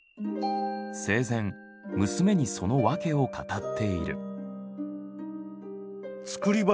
生前娘にその訳を語っている。